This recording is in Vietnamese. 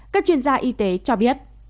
các chuyên gia y tế cho biết